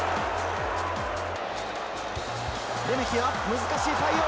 レメキは、難しい対応。